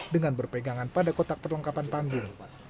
dengan berpegangan pada kotak perlengkapan panggung